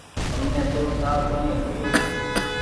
همني تو ٺآ ڪونيٚ هيتي۔